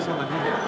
sama dengan dia